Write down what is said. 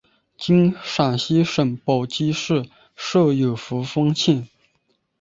今陕西省宝鸡市设有扶风县。